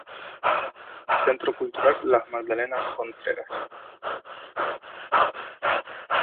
Centro Cultural La Magdalena Contreras.